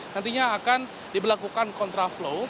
nantinya akan diberlakukan contraflow